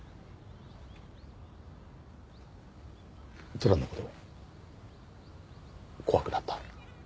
トラの事怖くなった？